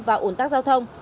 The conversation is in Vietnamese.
và ổn tắc giao thông